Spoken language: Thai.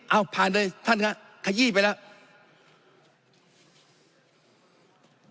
เอาผ่านเลยท่านครับขยี้ไปแล้ว